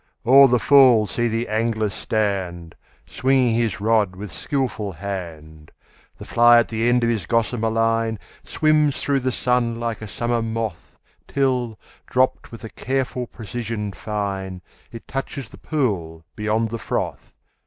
o'er the fall see the angler stand, Swinging his rod with skilful hand; The fly at the end of his gossamer line Swims through the sun like a summer moth, Till, dropt with a careful precision fine, It touches the pool beyond the froth.